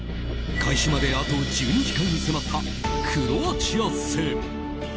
開始まであと１２時間に迫ったクロアチア戦。